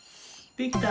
できた！